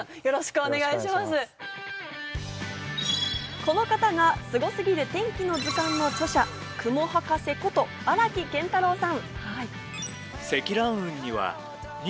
この方が『すごすぎる天気の図鑑』の著者、雲博士こと荒木健太郎さん。